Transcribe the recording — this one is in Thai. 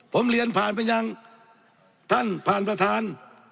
ผมเรียนผ่านไปยังท่านผ่านประธาน